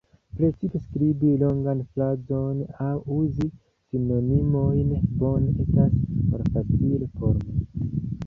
Precipe skribi longan frazon aŭ uzi sinonimojn bone estas malfacile por mi.